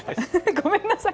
ごめんなさい。